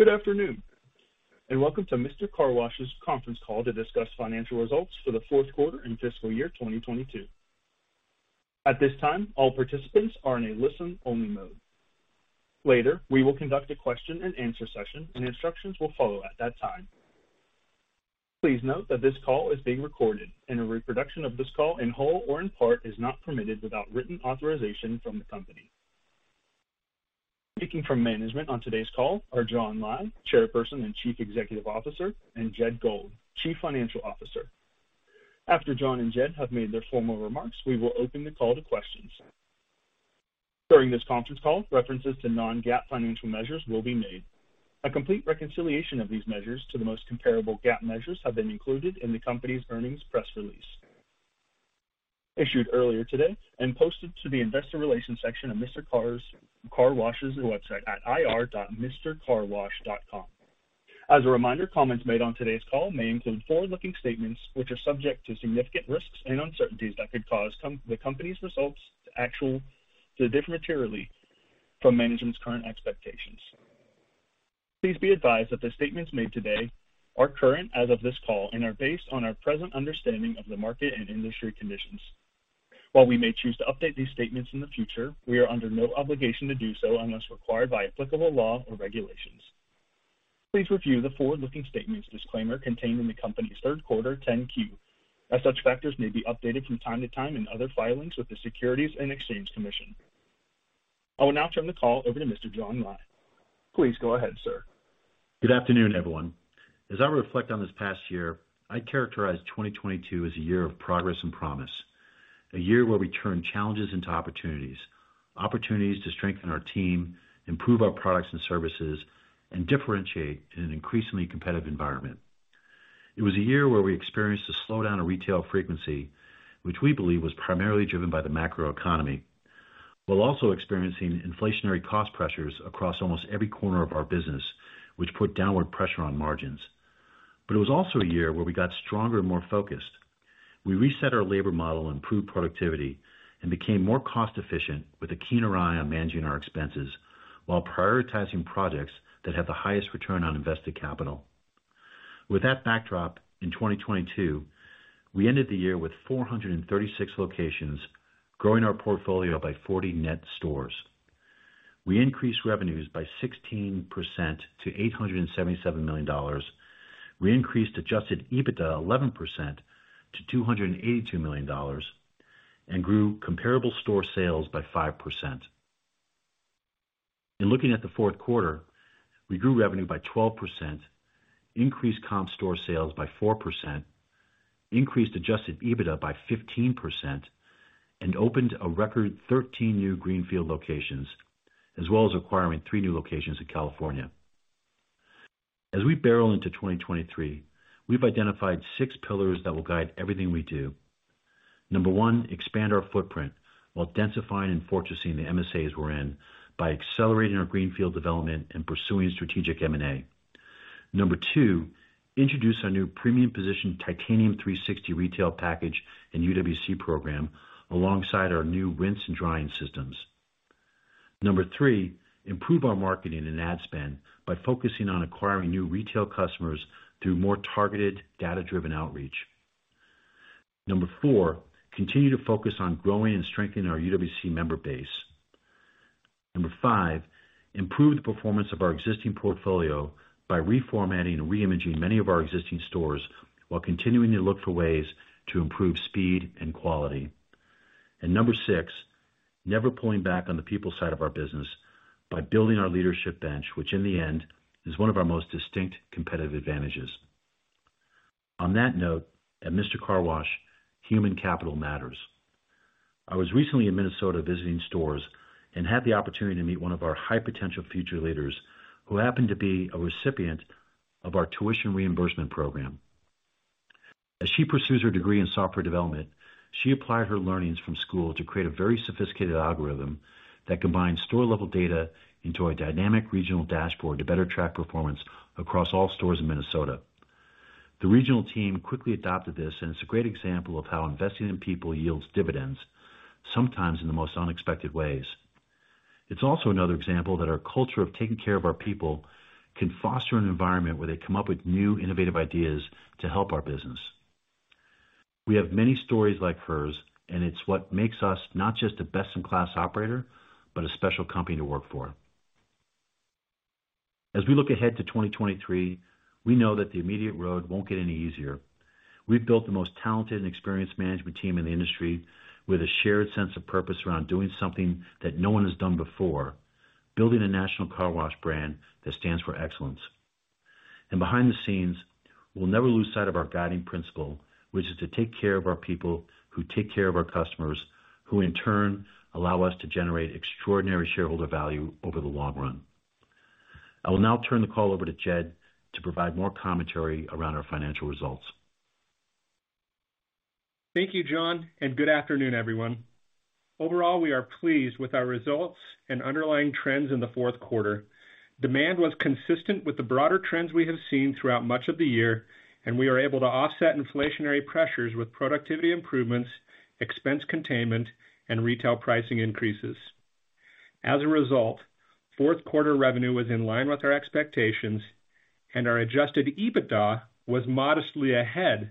Good afternoon, and welcome to Mister Car Wash's conference call to discuss financial results for the fourth quarter and fiscal year 2022. At this time, all participants are in a listen-only mode. Later, we will conduct a question-and-answer session, and instructions will follow at that time. Please note that this call is being recorded, and a reproduction of this call in whole or in part is not permitted without written authorization from the company. Speaking from management on today's call are John Lai, Chairperson and Chief Executive Officer, and Jed Gold, Chief Financial Officer. After John and Jed have made their formal remarks, we will open the call to questions. During this conference call, references to non-GAAP financial measures will be made. A complete reconciliation of these measures to the most comparable GAAP measures have been included in the company's earnings press release issued earlier today and posted to the investor relations section of Mister Car Wash's website at ir.mistercarwash.com. As a reminder, comments made on today's call may include forward-looking statements which are subject to significant risks and uncertainties that could cause the company's results to differ materially from management's current expectations. Please be advised that the statements made today are current as of this call and are based on our present understanding of the market and industry conditions. While we may choose to update these statements in the future, we are under no obligation to do so unless required by applicable law or regulations. Please review the forward-looking statements disclaimer contained in the company's third quarter 10-Q, as such factors may be updated from time to time in other filings with the Securities and Exchange Commission. I will now turn the call over to Mr. John Lai. Please go ahead, sir. Good afternoon, everyone. As I reflect on this past year, I characterize 2022 as a year of progress and promise. A year where we turn challenges into opportunities. Opportunities to strengthen our team, improve our products and services, and differentiate in an increasingly competitive environment. It was a year where we experienced a slowdown of retail frequency, which we believe was primarily driven by the macroeconomy, while also experiencing inflationary cost pressures across almost every corner of our business, which put downward pressure on margins. It was also a year where we got stronger and more focused. We reset our labor model and improved productivity and became more cost-efficient with a keener eye on managing our expenses while prioritizing projects that have the highest return on invested capital. With that backdrop, in 2022, we ended the year with 436 locations, growing our portfolio by 40 net stores. We increased revenues by 16% to $877 million. We increased adjusted EBITDA 11% to $282 million, and grew comparable store sales by 5%. In looking at the fourth quarter, we grew revenue by 12%, increased comp store sales by 4%, increased adjusted EBITDA by 15%, and opened a record 13 new greenfield locations, as well as acquiring three new locations in California. As we barrel into 2023, we've identified six pillars that will guide everything we do. Number one, expand our footprint while densifying and fortressing the MSAs we're in by accelerating our greenfield development and pursuing strategic M&A. Number two, introduce our new premium position Titanium 360 retail package and UWC program alongside our new rinse and drying systems. Number three, improve our marketing and ad spend by focusing on acquiring new retail customers through more targeted data-driven outreach. Number four, continue to focus on growing and strengthening our UWC member base. Number five, improve the performance of our existing portfolio by reformatting and reimaging many of our existing stores while continuing to look for ways to improve speed and quality. Number six, never pulling back on the people side of our business by building our leadership bench, which in the end is one of our most distinct competitive advantages. On that note, at Mister Car Wash, human capital matters. I was recently in Minnesota visiting stores and had the opportunity to meet one of our high-potential future leaders who happened to be a recipient of our tuition reimbursement program. As she pursues her degree in software development, she applied her learnings from school to create a very sophisticated algorithm that combines store-level data into a dynamic regional dashboard to better track performance across all stores in Minnesota. The regional team quickly adopted this, and it's a great example of how investing in people yields dividends, sometimes in the most unexpected ways. It's also another example that our culture of taking care of our people can foster an environment where they come up with new innovative ideas to help our business. We have many stories like hers, and it's what makes us not just a best-in-class operator, but a special company to work for. As we look ahead to 2023, we know that the immediate road won't get any easier. We've built the most talented and experienced management team in the industry with a shared sense of purpose around doing something that no one has done before, building a national car wash brand that stands for excellence. And behind the scenes, we'll never lose sight of our guiding principle, which is to take care of our people who take care of our customers, who in turn allow us to generate extraordinary shareholder value over the long run. I will now turn the call over to Jed to provide more commentary around our financial results. Thank you, John, and good afternoon, everyone. Overall, we are pleased with our results and underlying trends in the fourth quarter. Demand was consistent with the broader trends we have seen throughout much of the year, and we are able to offset inflationary pressures with productivity improvements. Expense containment and retail pricing increases. As a result, fourth quarter revenue was in line with our expectations, and our adjusted EBITDA was modestly ahead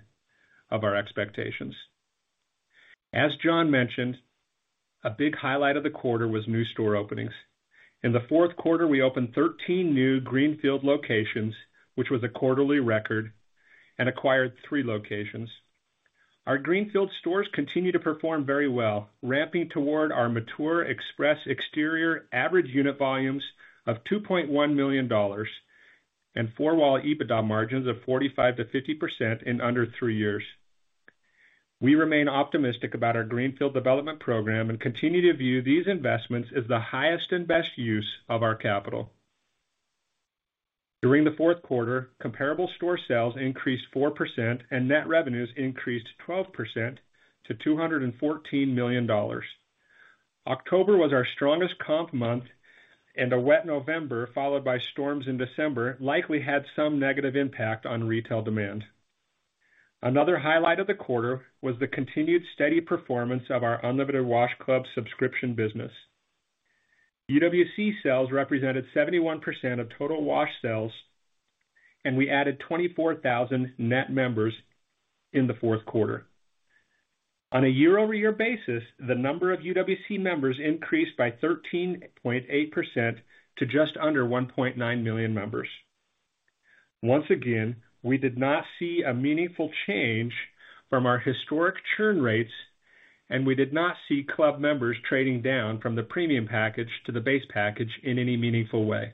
of our expectations. As John mentioned, a big highlight of the quarter was new store openings. In the fourth quarter, we opened 13 new greenfield locations, which was a quarterly record, and acquired three locations. Our greenfield stores continue to perform very well, ramping toward our mature Express average unit volumes of $2.1 million and four-wall EBITDA margins of 45%-50% in under three years. We remain optimistic about our greenfield development program and continue to view these investments as the highest and best use of our capital. During the fourth quarter, comparable store sales increased 4%, and net revenues increased 12% to $214 million. October was our strongest comp month. A wet November, followed by storms in December, likely had some negative impact on retail demand. Another highlight of the quarter was the continued steady performance of our Unlimited Wash Club subscription business. UWC sales represented 71% of total wash sales. We added 24,000 net members in the fourth quarter. On a year-over-year basis, the number of UWC members increased by 13.8% to just under 1.9 million members. Once again, we did not see a meaningful change from our historic churn rates. We did not see club members trading down from the premium package to the base package in any meaningful way.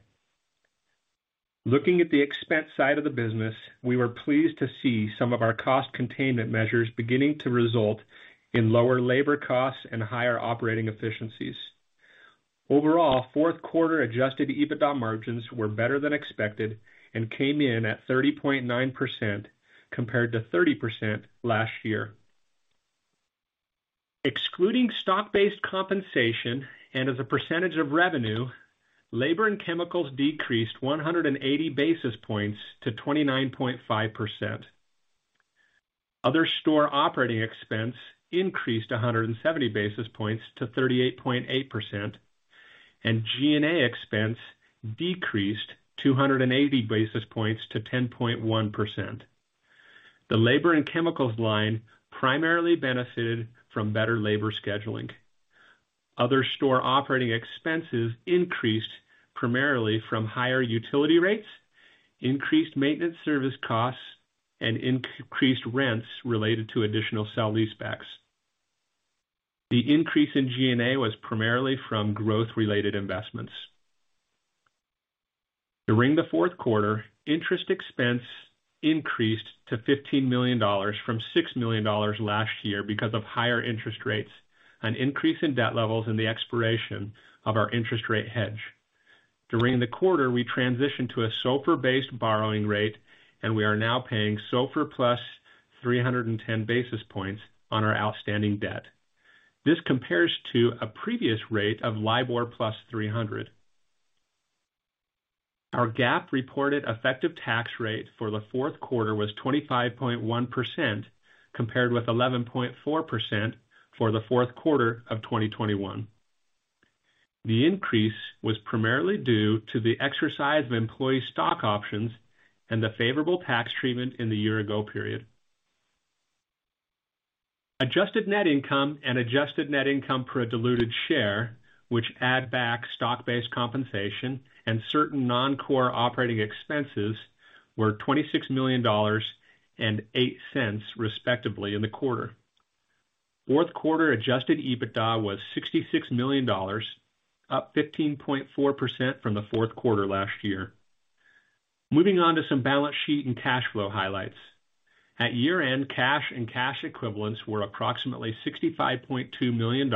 Looking at the expense side of the business, we were pleased to see some of our cost containment measures beginning to result in lower labor costs and higher operating efficiencies. Overall, fourth quarter adjusted EBITDA margins were better than expected and came in at 30.9% compared to 30% last year. Excluding stock-based compensation and as a percentage of revenue, labor and chemicals decreased 180 basis points to 29.5%. Other store operating expense increased 170 basis points to 38.8%. G&A expense decreased 280 basis points to 10.1%. The labor and chemicals line primarily benefited from better labor scheduling. Other store operating expenses increased primarily from higher utility rates, increased maintenance service costs, and increased rents related to additional sale-leasebacks. The increase in G&A was primarily from growth-related investments. During the fourth quarter, interest expense increased to $15 million from $6 million last year because of higher interest rates, an increase in debt levels, and the expiration of our interest rate hedge. During the quarter, we transitioned to a SOFR-based borrowing rate, we are now paying SOFR +310 basis points on our outstanding debt. This compares to a previous rate of LIBOR +300 basis points. Our GAAP reported effective tax rate for the fourth quarter was 25.1%, compared with 11.4% for the fourth quarter of 2021. The increase was primarily due to the exercise of employee stock options and the favorable tax treatment in the year-ago period. Adjusted net income and adjusted net income per diluted share, which add back stock-based compensation and certain non-core operating expenses, were $26 million and $0.08, respectively, in the quarter. Fourth quarter adjusted EBITDA was $66 million, up 15.4% from the fourth quarter last year. Moving on to some balance sheet and cash flow highlights. At year-end, cash and cash equivalents were approximately $65.2 million,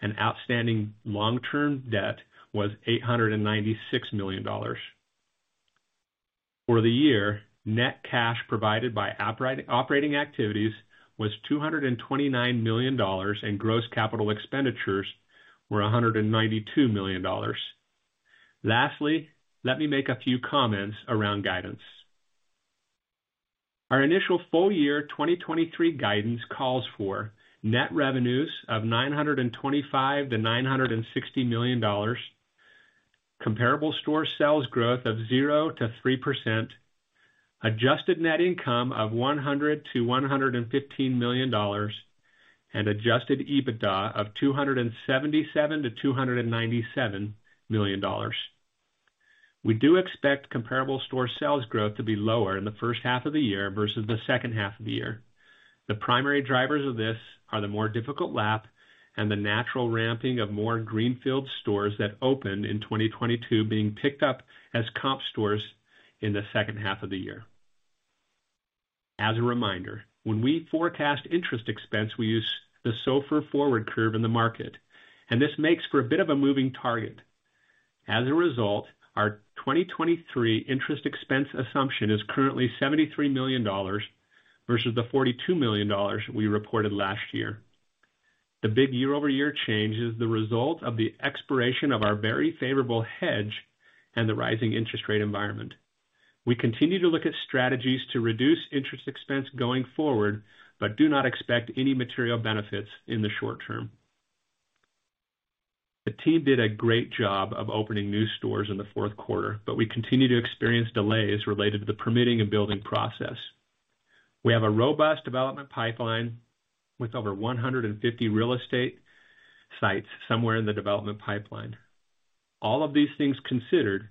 and outstanding long-term debt was $896 million. For the year, net cash provided by operating activities was $229 million, and gross capital expenditures were $192 million. Lastly, let me make a few comments around guidance. Our initial full year 2023 guidance calls for net revenues of $925 million-$960 million, comparable store sales growth of 0%-3%, adjusted net income of $100 million-$115 million, and adjusted EBITDA of $277 million-$297 million. We do expect comparable store sales growth to be lower in the first half of the year versus the second half of the year. The primary drivers of this are the more difficult lap and the natural ramping of more greenfield stores that opened in 2022 being picked up as comp stores in the second half of the year. As a reminder, when we forecast interest expense, we use the SOFR forward curve in the market. This makes for a bit of a moving target. As a result, our 2023 interest expense assumption is currently $73 million versus the $42 million we reported last year. The big year-over-year change is the result of the expiration of our very favorable hedge and the rising interest rate environment. We continue to look at strategies to reduce interest expense going forward, but do not expect any material benefits in the short term. The team did a great job of opening new stores in the fourth quarter, but we continue to experience delays related to the permitting and building process. We have a robust development pipeline with over 150 real estate sites somewhere in the development pipeline. All of these things considered,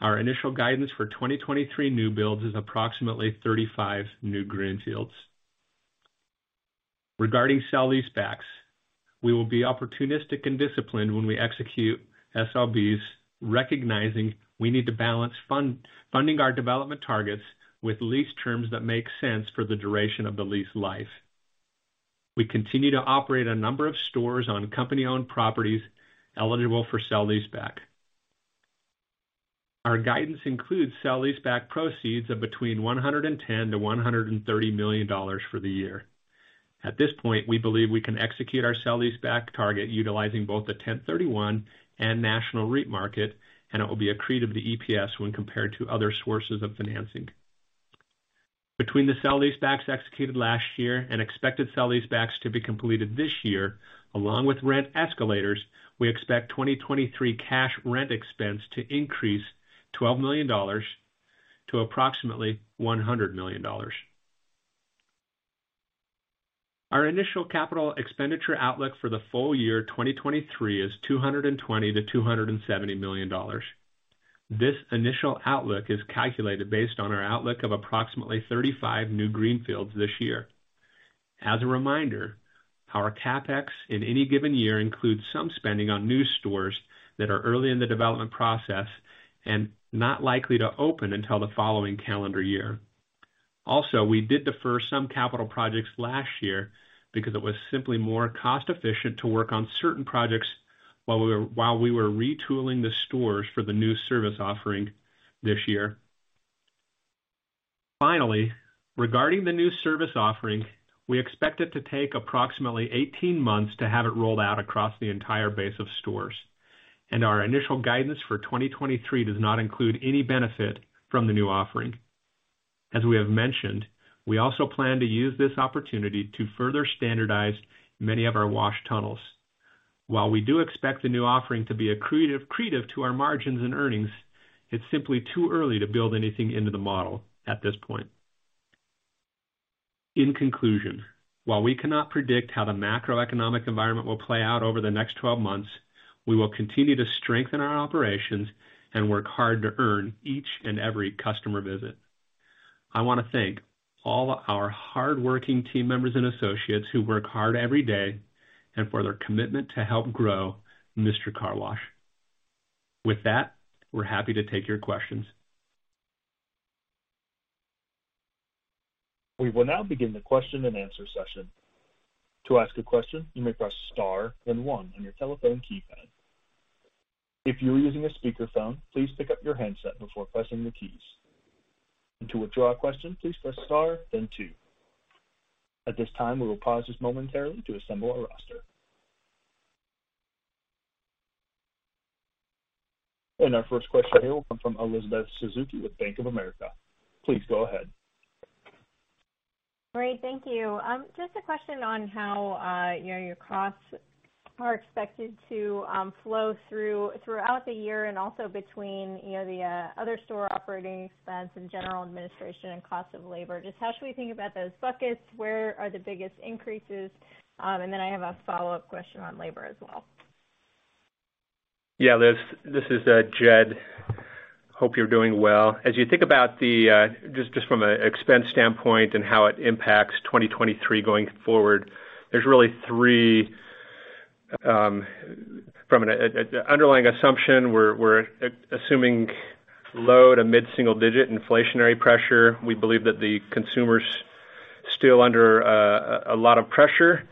our initial guidance for 2023 new builds is approximately 35 new greenfields. Regarding sale-leasebacks, we will be opportunistic and disciplined when we execute SLBs, recognizing we need to balance funding our development targets with lease terms that make sense for the duration of the lease life. We continue to operate a number of stores on company-owned properties eligible for sale-leaseback. Our guidance includes sale-leaseback proceeds of between $110 million-$130 million for the year. At this point, we believe we can execute our sale-leaseback target utilizing both the 1031 and national REIT market, and it will be accretive to EPS when compared to other sources of financing. Between the sale-leasebacks executed last year and expected sale-leasebacks to be completed this year, along with rent escalators, we expect 2023 cash rent expense to increase $12 million to approximately $100 million. Our initial capital expenditure outlook for the full year 2023 is $220 million-$270 million. This initial outlook is calculated based on our outlook of approximately 35 new greenfields this year. As a reminder, our CapEx in any given year includes some spending on new stores that are early in the development process and not likely to open until the following calendar year. We did defer some capital projects last year because it was simply more cost efficient to work on certain projects while we were retooling the stores for the new service offering this year. Regarding the new service offering, we expect it to take approximately 18 months to have it rolled out across the entire base of stores, and our initial guidance for 2023 does not include any benefit from the new offering. As we have mentioned, we also plan to use this opportunity to further standardize many of our wash tunnels. While we do expect the new offering to be accretive to our margins and earnings, it's simply too early to build anything into the model at this point. In conclusion, while we cannot predict how the macroeconomic environment will play out over the next 12 months, we will continue to strengthen our operations and work hard to earn each and every customer visit. I wanna thank all our hardworking team members and associates who work hard every day and for their commitment to help grow Mister Car Wash. With that, we're happy to take your questions. We will now begin the question-and-answer session. To ask a question, you may press star then one on your telephone keypad. If you are using a speakerphone, please pick up your handset before pressing the keys. To withdraw a question, please press star then two. At this time, we will pause just momentarily to assemble our roster. Our first question here will come from Elizabeth Suzuki with Bank of America. Please go ahead. Great. Thank you. Just a question on how, you know, your costs are expected to flow throughout the year and also between, you know, the other store operating expense and general administration and cost of labor. Just how should we think about those buckets? Where are the biggest increases? I have a follow-up question on labor as well. Liz, this is Jed. Hope you're doing well. As you think about the just from an expense standpoint and how it impacts 2023 going forward, there's really three from an underlying assumption, we're assuming low to mid-single digit inflationary pressure. We believe that the consumer's still under a lot of pressure,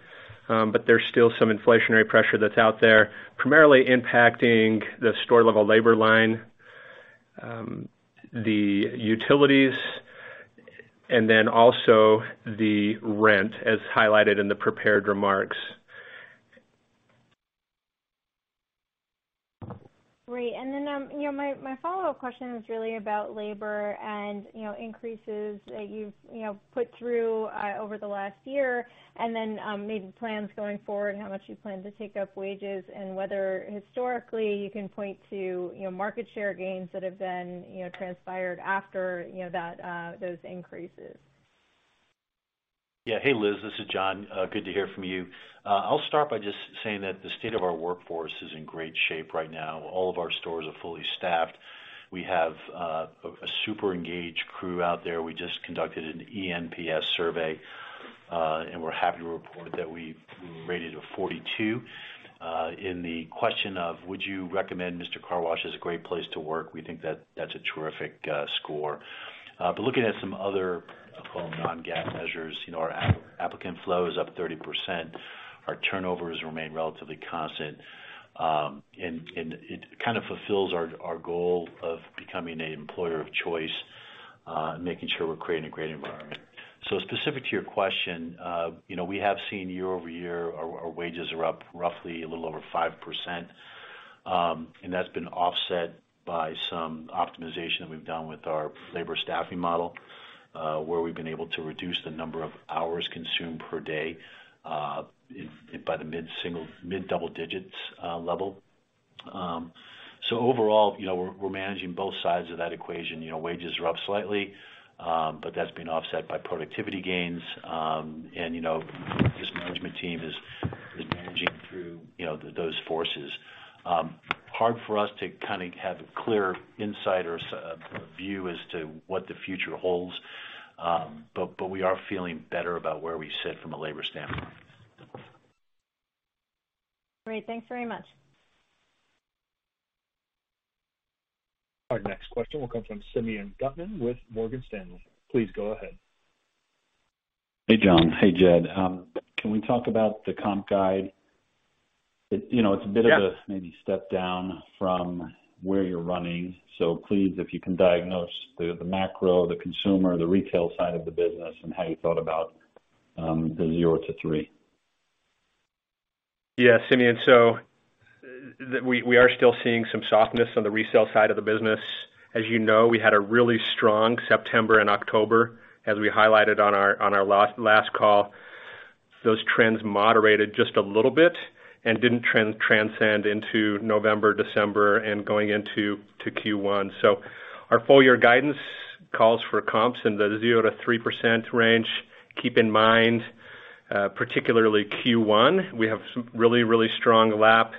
but there's still some inflationary pressure that's out there, primarily impacting the store level labor line, the utilities, and then also the rent, as highlighted in the prepared remarks. Great. You know, my follow-up question is really about labor and, you know, increases that you've, you know, put through over the last year and then, you know, maybe plans going forward, how much you plan to take up wages and whether historically you can point to, you know, market share gains that have been, you know, transpired after, you know, that, those increases? Yeah. Hey, Liz. This is John. Good to hear from you. I'll start by just saying that the state of our workforce is in great shape right now. All of our stores are fully staffed. We have a super engaged crew out there. We just conducted an ENPS survey, and we're happy to report that we rated a 42 in the question of, would you recommend Mister Car Wash as a great place to work? We think that that's a terrific score. Looking at some other non-GAAP measures, you know, our app-applicant flow is up 30%. Our turnover has remained relatively constant, and it kind of fulfills our goal of becoming an employer of choice, making sure we're creating a great environment. Specific to your question, you know, we have seen year-over-year our wages are up roughly a little over 5%. That's been offset by some optimization that we've done with our labor staffing model, where we've been able to reduce the number of hours consumed per day, by the mid-double digits level. Overall, you know, we're managing both sides of that equation. You know, wages are up slightly, but that's been offset by productivity gains. You know, this management team is managing through, you know, those forces. Hard for us to kind of have a clear insight or view as to what the future holds. We are feeling better about where we sit from a labor standpoint. Great. Thanks very much. Our next question will come from Simeon Gutman with Morgan Stanley. Please go ahead. Hey, John. Hey, Jed. Can we talk about the comp guide? It, you know, it's a bit of. Yeah. maybe step down from where you're running. Please, if you can diagnose the macro, the consumer, the retail side of the business and how you thought about the 0%-3%? Simeon, we are still seeing some softness on the resale side of the business. As you know, we had a really strong September and October, as we highlighted on our last call. Those trends moderated just a little bit and didn't transcend into November, December, and going into Q1. Our full year guidance calls for comps in the 0%-3% range. Keep in mind, particularly Q1, we have some really strong lap.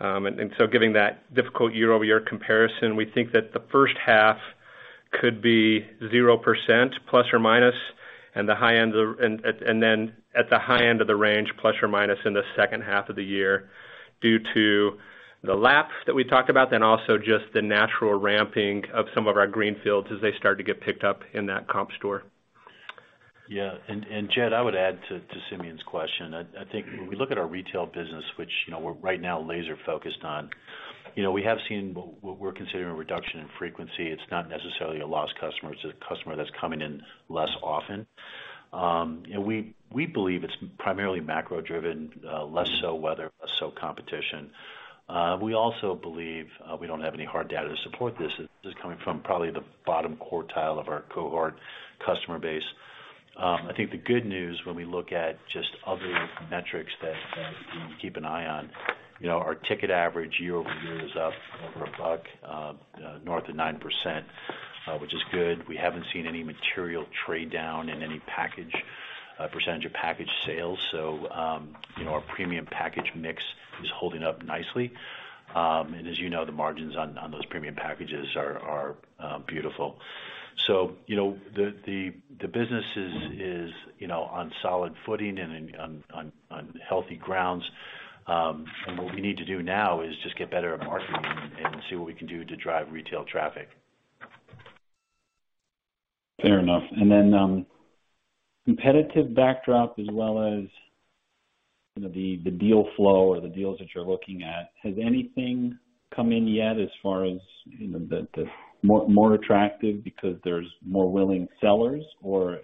Giving that difficult year-over-year comparison, we think that the first half could be 0% ±, the high end of the range, ± in the second half of the year due to the laps that we talked about, then also just the natural ramping of some of our greenfields as they start to get picked up in that comp store. Jed, I would add to Simeon's question. I think when we look at our retail business, which, you know, we're right now laser focused on, you know, we have seen what we're considering a reduction in frequency. It's not necessarily a lost customer, it's a customer that's coming in less often. We, we believe it's primarily macro driven, less so weather, less so competition. We also believe, we don't have any hard data to support this. This is coming from probably the bottom quartile of our cohort customer base. I think the good news when we look at just other metrics that we keep an eye on, you know, our ticket average year-over-year is up over $1, north of 9%, which is good. We haven't seen any material trade down in any package, percent of package sales. You know, our premium package mix is holding up nicely. As you know, the margins on those premium packages are beautiful. You know, the business is, you know, on solid footing and on healthy grounds. And what we need to do now is just get better at marketing and see what we can do to drive retail traffic. Fair enough. Competitive backdrop as well as, you know, the deal flow or the deals that you're looking at, has anything come in yet as far as, you know, the more attractive because there's more willing sellers?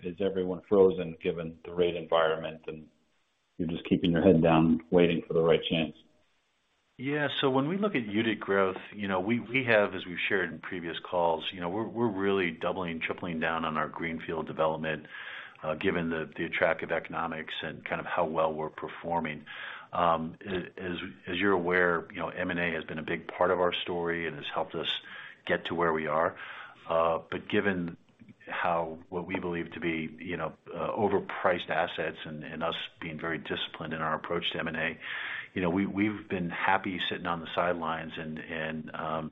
Is everyone frozen given the rate environment, and you're just keeping your head down waiting for the right chance? Yeah. When we look at unit growth, you know, we have, as we've shared in previous calls, you know, we're really doubling, tripling down on our greenfield development, given the attractive economics and kind of how well we're performing. As you're aware, you know, M&A has been a big part of our story and has helped us get to where we are. Given how, what we believe to be, you know, overpriced assets and us being very disciplined in our approach to M&A, you know, we've been happy sitting on the sidelines and,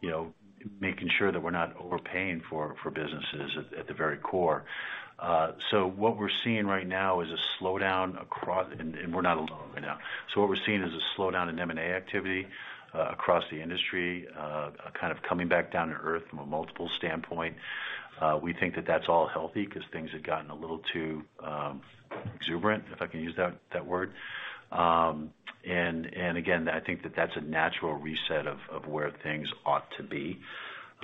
you know, making sure that we're not overpaying for businesses at the very core. What we're seeing right now is a slowdown across... We're not alone right now. What we're seeing is a slowdown in M&A activity across the industry, kind of coming back down to earth from a multiple standpoint. We think that that's all healthy because things had gotten a little too exuberant, if I can use that word. Again, I think that that's a natural reset of where things ought to be.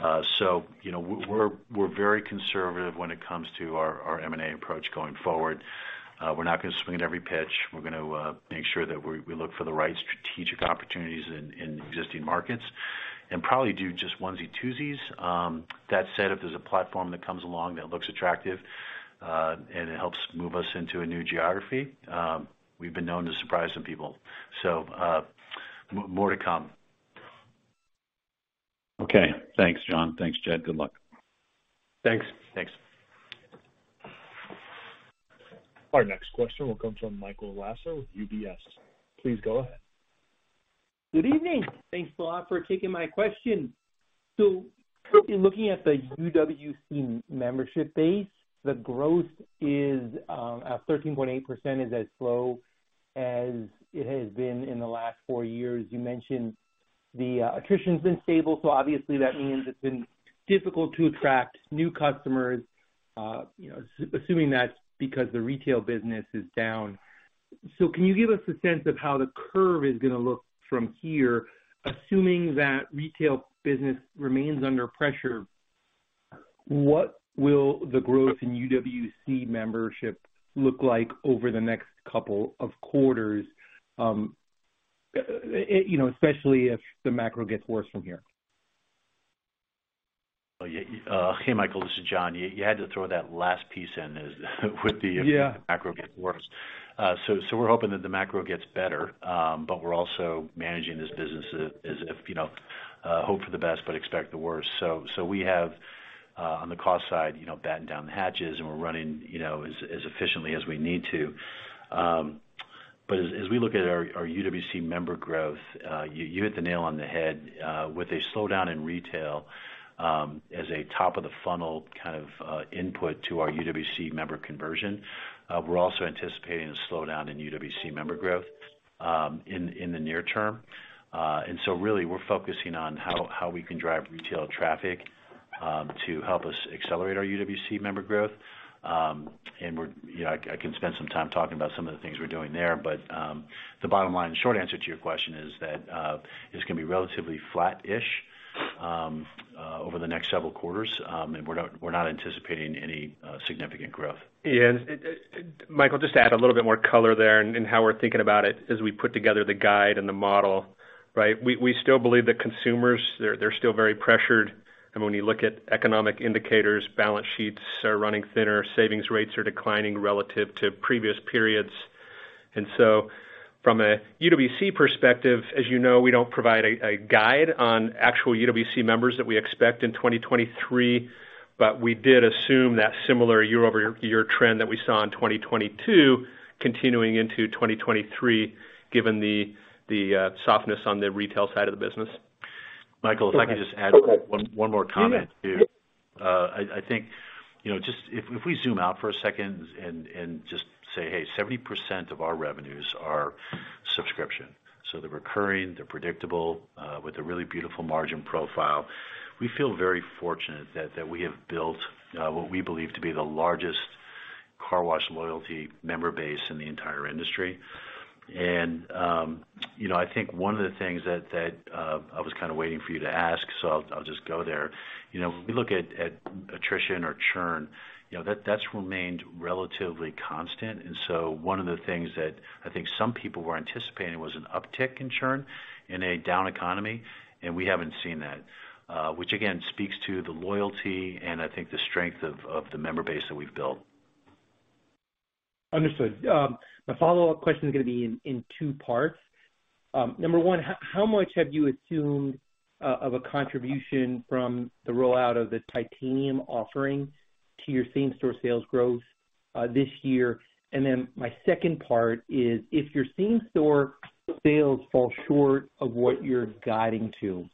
You know, we're very conservative when it comes to our M&A approach going forward. We're not gonna swing at every pitch. We're gonna make sure that we look for the right strategic opportunities in existing markets and probably do just onesie-twosies. That said, if there's a platform that comes along that looks attractive, and it helps move us into a new geography, we've been known to surprise some people, so, more to come. Okay. Thanks, John. Thanks, Jed. Good luck. Thanks. Thanks. Our next question will come from Michael Lasser with UBS. Please go ahead. Good evening. Thanks a lot for taking my question. Currently looking at the UWC membership base, the growth is at 13.8% is as slow as it has been in the last four years. You mentioned the attrition's been stable, so obviously that means it's been difficult to attract new customers. You know, assuming that's because the retail business is down. Can you give us a sense of how the curve is gonna look from here, assuming that retail business remains under pressure, what will the growth in UWC membership look like over the next couple of quarters, you know, especially if the macro gets worse from here? Oh, yeah. Hey, Michael, this is John. You had to throw that last piece in as with the- Yeah... macro get worse. We're hoping that the macro gets better, but we're also managing this business as if hope for the best but expect the worst. We have on the cost side, batten down the hatches and we're running as efficiently as we need to. As we look at our UWC member growth, you hit the nail on the head. With a slowdown in retail, as a top of the funnel kind of input to our UWC member conversion, we're also anticipating a slowdown in UWC member growth in the near term. Really we're focusing on how we can drive retail traffic to help us accelerate our UWC member growth. We're... You know, I can spend some time talking about some of the things we're doing there, but the bottom line, short answer to your question is that it's gonna be relatively flat-ish over the next several quarters. We're not anticipating any significant growth. Yeah. Michael, just to add a little bit more color there and how we're thinking about it as we put together the guide and the model, right? We, we still believe that consumers, they're still very pressured. When you look at economic indicators, balance sheets are running thinner, savings rates are declining relative to previous periods. From a UWC perspective, as you know, we don't provide a guide on actual UWC members that we expect in 2023, but we did assume that similar year-over-year trend that we saw in 2022 continuing into 2023, given the softness on the retail side of the business. Michael, if I could just add one more comment here. Yeah. I think, you know, just if we zoom out for a second and just say, Hey, 70% of our revenues are subscription. They're recurring, they're predictable, with a really beautiful margin profile. We feel very fortunate that we have built what we believe to be the largest car wash loyalty member base in the entire industry. You know, I think one of the things that I was kind of waiting for you to ask, I'll just go there. You know, when we look at attrition or churn, you know, that's remained relatively constant. One of the things that I think some people were anticipating was an uptick in churn in a down economy, we haven't seen that. Which again, speaks to the loyalty and I think the strength of the member base that we've built. Understood. My follow-up question is gonna be in two parts. Number one, how much have you assumed of a contribution from the rollout of the Titanium offering to your same-store sales growth this year? My second part is, if your same-store sales fall short of what you're guiding to,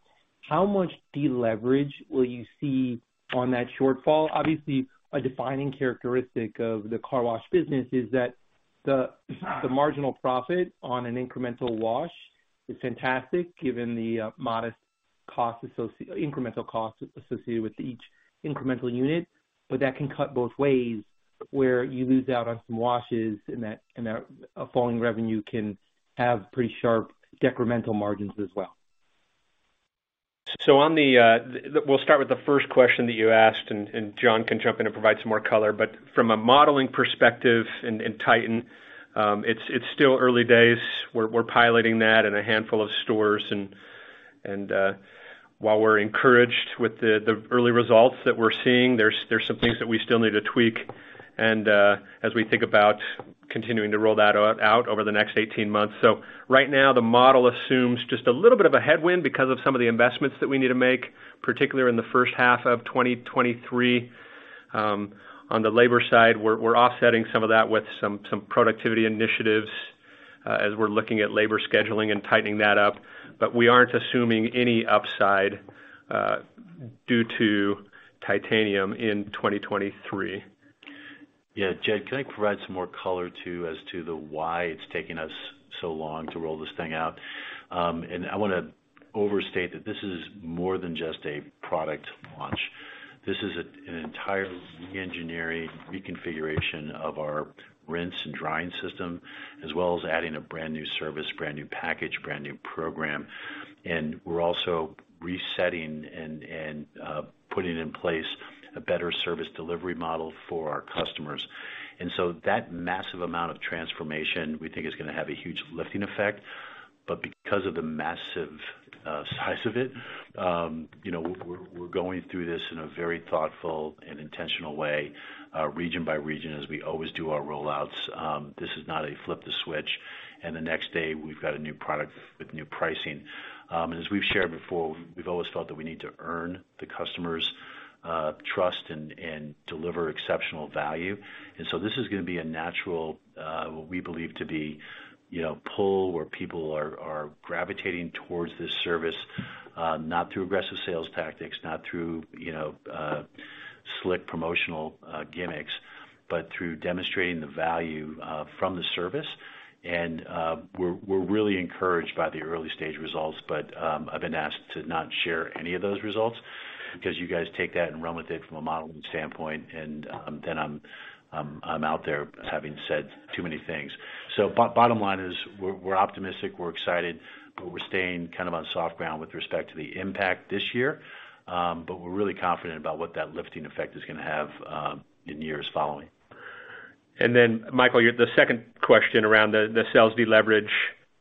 how much deleverage will you see on that shortfall? Obviously, a defining characteristic of the car wash business is that the marginal profit on an incremental wash is fantastic given the modest incremental costs associated with each incremental unit, that can cut both ways where you lose out on some washes and that falling revenue can have pretty sharp decremental margins as well. We'll start with the first question that you asked, and John can jump in and provide some more color. From a modeling perspective in Titan, it's still early days. We're piloting that in a handful of stores. While we're encouraged with the early results that we're seeing, there's some things that we still need to tweak and as we think about continuing to roll that out over the next 18 months. Right now the model assumes just a little bit of a headwind because of some of the investments that we need to make, particularly in the first half of 2023. On the labor side, we're offsetting some of that with some productivity initiatives as we're looking at labor scheduling and tightening that up. We aren't assuming any upside, due to Titanium in 2023. Yeah. Jed, can I provide some more color, too, as to the why it's taken us so long to roll this thing out? I wanna overstate that this is more than just a product launch. This is a, an entire reengineering reconfiguration of our rinse and drying system, as well as adding a brand-new service, brand-new package, brand-new program. We're also resetting and putting in place a better service delivery model for our customers. So that massive amount of transformation we think is gonna have a huge lifting effect. Because of the massive size of it, you know, we're going through this in a very thoughtful and intentional way, region by region as we always do our rollouts. This is not a flip the switch and the next day we've got a new product with new pricing. As we've shared before, we've always felt that we need to earn the customer's trust and deliver exceptional value. This is gonna be a natural, what we believe to be, you know, pull where people are gravitating towards this service, not through aggressive sales tactics, not through, you know, slick promotional gimmicks, but through demonstrating the value from the service. We're really encouraged by the early stage results, but I've been asked to not share any of those results because you guys take that and run with it from a modeling standpoint, and then I'm out there as having said too many things. Bottom line is we're optimistic, we're excited, but we're staying kind of on soft ground with respect to the impact this year. We're really confident about what that lifting effect is gonna have, in years following. Michael, the second question around the sales deleverage.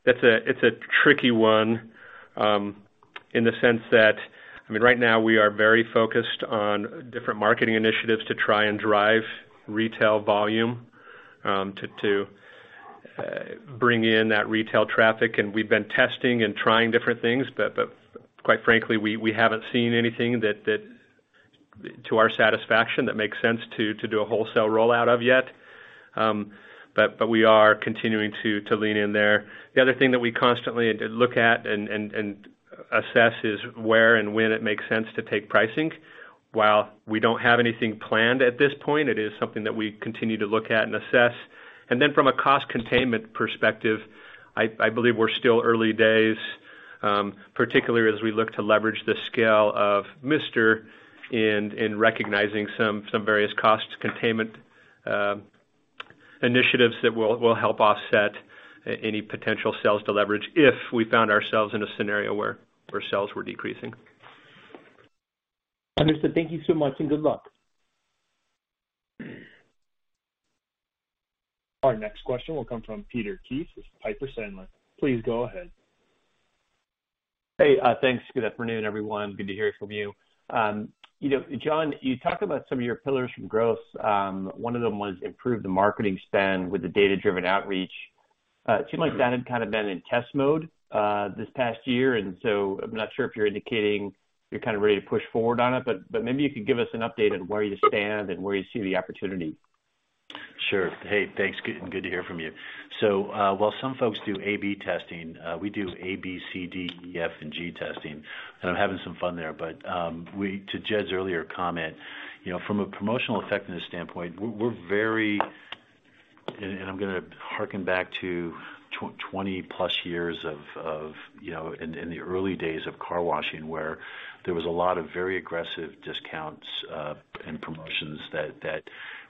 That's a tricky one, in the sense that, I mean, right now we are very focused on different marketing initiatives to try and drive retail volume, to bring in that retail traffic. We've been testing and trying different things, but quite frankly, we haven't seen anything that to our satisfaction that makes sense to do a wholesale rollout of yet. We are continuing to lean in there. The other thing that we constantly look at and assess is where and when it makes sense to take pricing. While we don't have anything planned at this point, it is something that we continue to look at and assess. From a cost containment perspective, I believe we're still early days, particularly as we look to leverage the scale of Mister in recognizing some various cost containment initiatives that will help offset any potential sales deleverage if we found ourselves in a scenario where their sales were decreasing. Understood. Thank you so much, and good luck. Our next question will come from Peter Keith with Piper Sandler. Please go ahead. Hey, thanks. Good afternoon, everyone. Good to hear from you. You know, John, you talked about some of your pillars from growth. One of them was improve the marketing spend with the data-driven outreach. It seemed like that had kind of been in test mode, this past year, I'm not sure if you're indicating you're kind of ready to push forward on it, but maybe you could give us an update on where you stand and where you see the opportunity? Sure. Hey, thanks. Good to hear from you. While some folks do A/B testing, we do A, B, C, D, E, F, and G testing, and I'm having some fun there. To Jed's earlier comment, you know, from a promotional effectiveness standpoint, we're very... I'm gonna harken back to 20+ years of, you know, in the early days of car washing, where there was a lot of very aggressive discounts and promotions that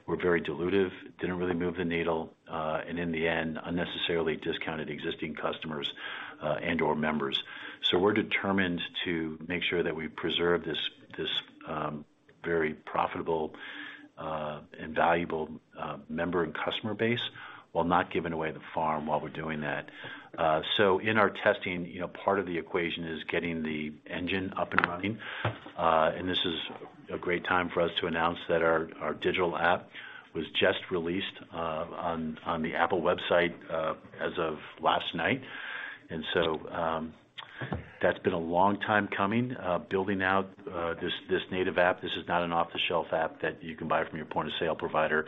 were very dilutive, didn't really move the needle, and in the end, unnecessarily discounted existing customers and/or members. We're determined to make sure that we preserve this very profitable and valuable member and customer base while not giving away the farm while we're doing that. So in our testing, you know, part of the equation is getting the engine up and running. This is a great time for us to announce that our digital app was just released on the Apple website as of last night. That's been a long time coming, building out this native app. This is not an off-the-shelf app that you can buy from your point-of-sale provider,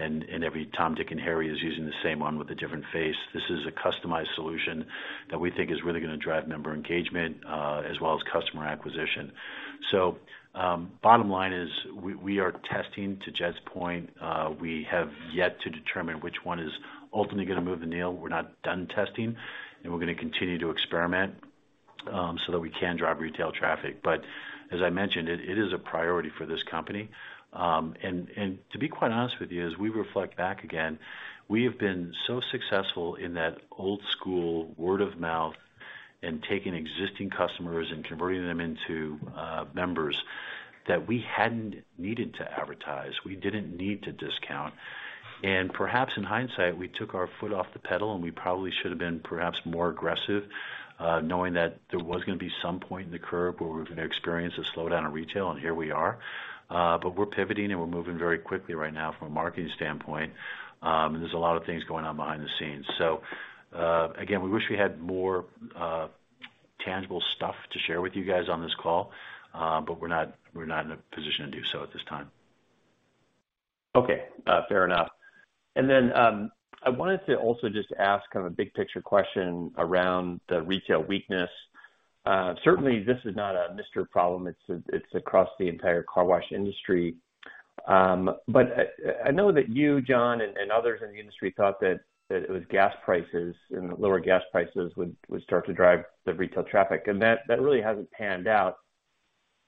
and every Tom, Dick, and Harry is using the same one with a different face. This is a customized solution that we think is really gonna drive member engagement as well as customer acquisition. Bottom line is, we are testing, to Jed's point. We have yet to determine which one is ultimately gonna move the needle. We're not done testing, we're gonna continue to experiment so that we can drive retail traffic. As I mentioned, it is a priority for this company. To be quite honest with you, as we reflect back again, we have been so successful in that old school, word of mouth, and taking existing customers and converting them into members that we hadn't needed to advertise. We didn't need to discount. Perhaps in hindsight, we took our foot off the pedal, and we probably should have been perhaps more aggressive, knowing that there was gonna be some point in the curve where we're gonna experience a slowdown in retail, and here we are. We're pivoting, and we're moving very quickly right now from a marketing standpoint. There's a lot of things going on behind the scenes. Again, we wish we had more tangible stuff to share with you guys on this call, but we're not in a position to do so at this time. Okay, fair enough. I wanted to also just ask kind of a big picture question around the retail weakness. Certainly this is not a Mister problem, it's across the entire car wash industry. I know that you, John, and others in the industry thought that it was gas prices and lower gas prices would start to drive the retail traffic, and that really hasn't panned out.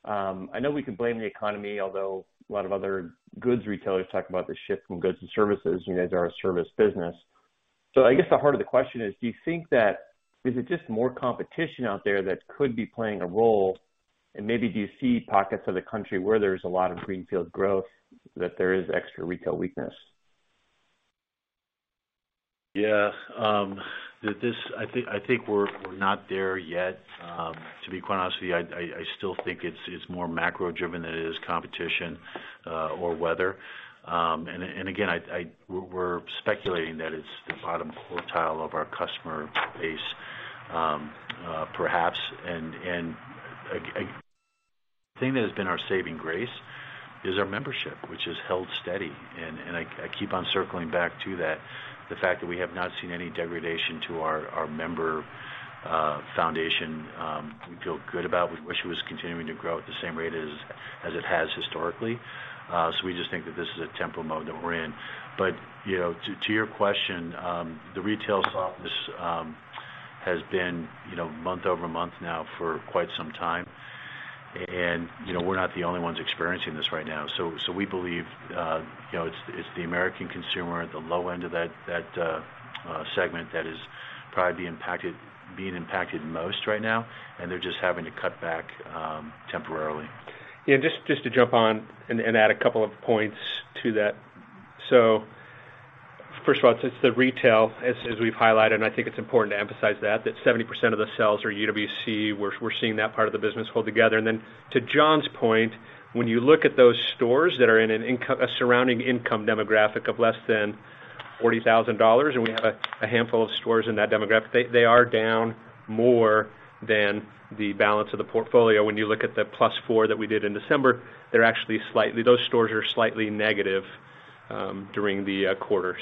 I know we could blame the economy, although a lot of other goods retailers talk about the shift from goods to services, you guys are a service business. I guess the heart of the question is, do you think that is it just more competition out there that could be playing a role? Maybe do you see pockets of the country where there's a lot of greenfield growth that there is extra retail weakness? Yeah. I think we're not there yet. To be quite honest with you, I still think it's more macro driven than it is competition or weather. Again, we're speculating that it's the bottom quartile of our customer base, perhaps. The thing that has been our saving grace is our membership, which has held steady. I keep on circling back to that, the fact that we have not seen any degradation to our member foundation, we feel good about. We wish it was continuing to grow at the same rate as it has historically. We just think that this is a temporal mode that we're in. You know, to your question, the retail softness has been, you know, month-over-month now for quite some time. You know, we're not the only ones experiencing this right now. So we believe, you know, it's the American consumer at the low end of that segment that is probably being impacted most right now, and they're just having to cut back temporarily. Yeah, just to jump on and add a couple of points to that. First of all, it's the retail, as we've highlighted, and I think it's important to emphasize that 70% of the sales are UWC. We're seeing that part of the business hold together. To John's point, when you look at those stores that are in a surrounding income demographic of less than $40,000, and we have a handful of stores in that demographic, they are down more than the balance of the portfolio. When you look at the plus four that we did in December, they're actually those stores are slightly negative during the quarter.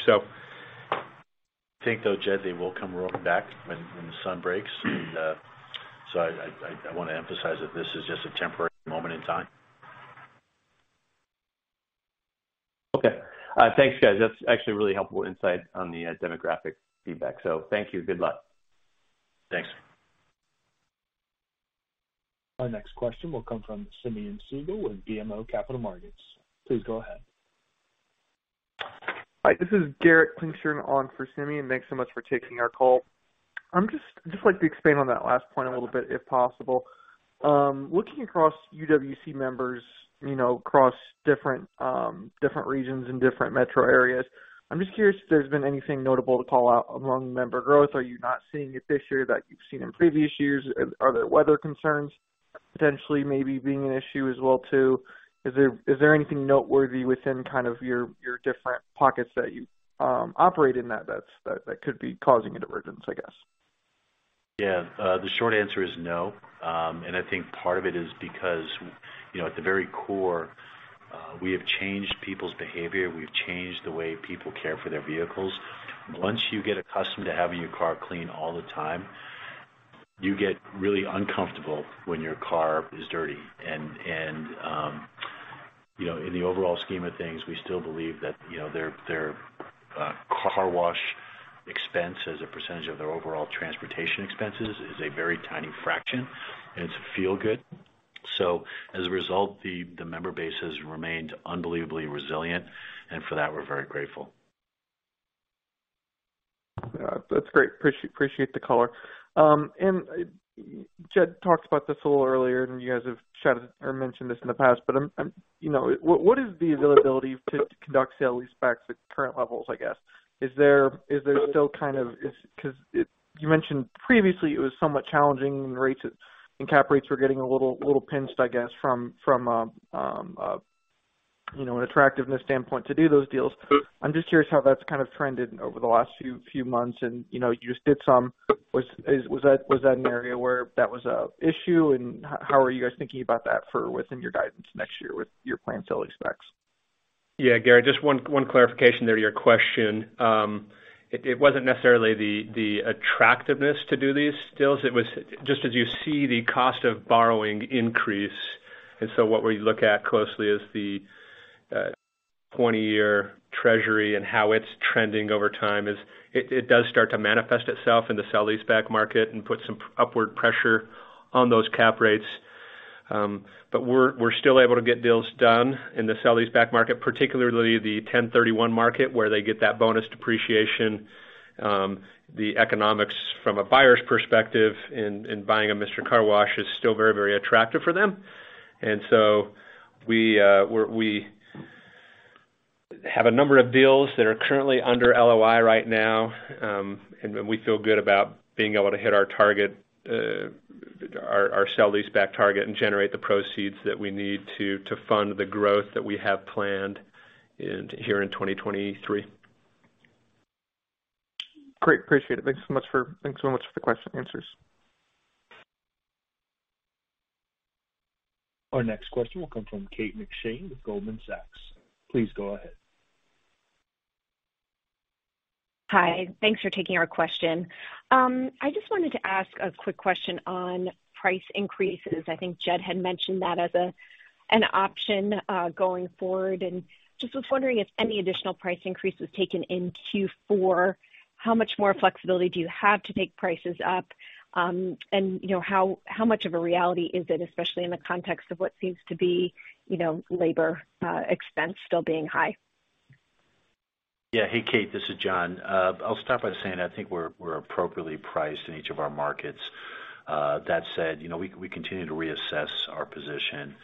I think though, Jed, they will come rolling back when the sun breaks. I wanna emphasize that this is just a temporary moment in time. Okay. Thanks, guys. That's actually really helpful insight on the demographic feedback. Thank you. Good luck. Thanks. Our next question will come from Simeon Siegel with BMO Capital Markets. Please go ahead. Hi, this is Garrett Klingshirn on for Simeon. Thanks so much for taking our call. I'd just like to expand on that last point a little bit, if possible. Looking across UWC members, you know, across different regions and different metro areas, I'm just curious if there's been anything notable to call out among member growth. Are you not seeing it this year that you've seen in previous years? Are there weather concerns potentially maybe being an issue as well too? Is there anything noteworthy within kind of your different pockets that you operate in that that's that could be causing a divergence, I guess? Yeah. The short answer is no. I think part of it is because, you know, at the very core, we have changed people's behavior. We've changed the way people care for their vehicles. Once you get accustomed to having your car clean all the time, you get really uncomfortable when your car is dirty. You know, in the overall scheme of things, we still believe that, you know, their, car wash expense as a percentage of their overall transportation expenses is a very tiny fraction, and it's a feel-good. As a result, the member base has remained unbelievably resilient, and for that, we're very grateful. That's great. Appreciate the color. Jed talked about this a little earlier, and you guys have shouted or mentioned this in the past, but, you know, what is the availability to conduct sale-leasebacks at current levels, I guess? Is there still kind of, 'cause it You mentioned previously it was somewhat challenging and rates, and cap rates were getting a little pinched, I guess, from, you know, an attractiveness standpoint to do those deals. I'm just curious how that's kind of trended over the last few months. You know, you just did some. Was that, was that an area where that was a issue, and how are you guys thinking about that for within your guidance next year with your planned sale-leasebacks? Yeah. Garrett, just one clarification there to your question. It wasn't necessarily the attractiveness to do these deals. It was just as you see the cost of borrowing increase. What we look at closely is the 20-year Treasury and how it's trending over time. It does start to manifest itself in the sale-leaseback market and put some upward pressure on those cap rates. But we're still able to get deals done in the sale-leaseback market, particularly the 1031 market, where they get that bonus depreciation. The economics from a buyer's perspective in buying a Mister Car Wash is still very, very attractive for them. We have a number of deals that are currently under LOI right now, and we feel good about being able to hit our target, our sale-leaseback target and generate the proceeds that we need to fund the growth that we have planned here in 2023. Great. Appreciate it. Thanks so much for the answers. Our next question will come from Kate McShane with Goldman Sachs. Please go ahead. Hi. Thanks for taking our question. I just wanted to ask a quick question on price increases. I think Jed had mentioned that as an option, going forward, and just was wondering if any additional price increase was taken in Q4, how much more flexibility do you have to take prices up? You know, how much of a reality is it, especially in the context of what seems to be, you know, labor, expense still being high? Yeah. Hey, Kate, this is John. I'll start by saying I think we're appropriately priced in each of our markets. That said, you know, we continue to reassess our position